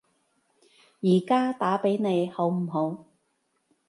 而家打畀你好唔好？